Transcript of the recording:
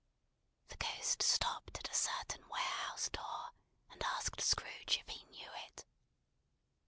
The Ghost stopped at a certain warehouse door, and asked Scrooge if he knew it.